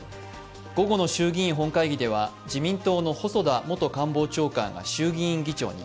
午後の衆議院本会議では、自民党の細田元官房長官が衆議院議長に。